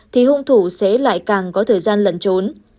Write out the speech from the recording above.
thì khung thủ sẽ lại càng có thời gian lận trốn